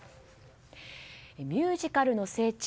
ミュージカルの聖地